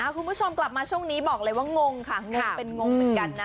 คุณผู้ชมกลับมาช่วงนี้บอกเลยว่างงค่ะงงเป็นงงเหมือนกันนะ